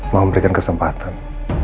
mau memberikan kesempatan